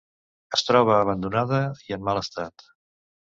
Es troba abandonada i en mal estat.